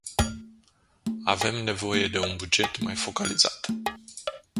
Avem nevoie de un buget mai focalizat.